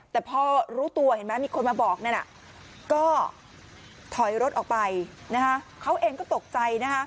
แต่พอมีคนมาบอกตลอดรถมันถูกก็เลยตกใจ